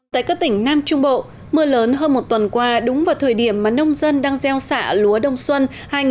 tại các tỉnh nam trung bộ mưa lớn hơn một tuần qua đúng vào thời điểm mà nông dân đang gieo xạ lúa đông xuân hai nghìn một mươi chín hai nghìn hai mươi